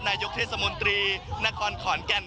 นายกเทศมนตรีนครขอนแก่น